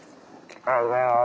おはようございます。